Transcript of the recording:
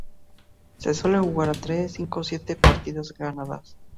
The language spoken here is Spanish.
Se suele jugar a tres, cinco o siete partidas ganadas.